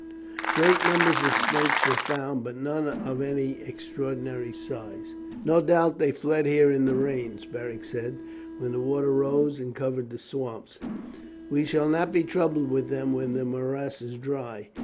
Great numbers of snakes were found, but none of any extraordinary size. "No doubt they fled here in the rains," Beric said, "when the water rose and covered the swamps; we shall not be troubled with them when the morasses dry.